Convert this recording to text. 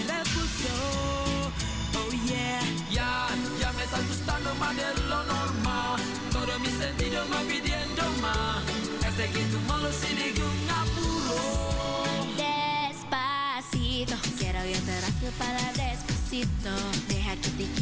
disini juga ada tukang